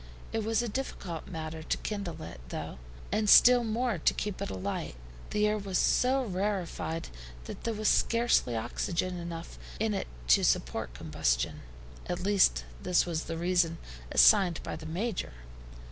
It was a difficult matter to kindle it, though, and still more to keep it alight. The air was so rarefied that there was scarcely oxygen enough in it to support combustion. At least, this was the reason assigned by the Major.